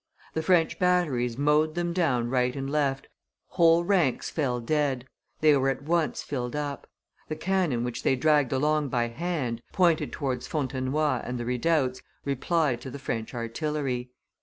The French batteries mowed them down right and left, whole ranks fell dead; they were at once filled up; the cannon which they dragged along by hand, pointed towards Fontenoy and the redoubts, replied to the French artillery.